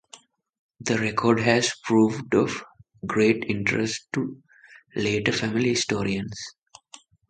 The record has proved of great interest to later family historians.